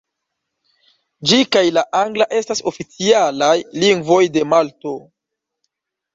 Ĝi kaj la angla estas oficialaj lingvoj de Malto.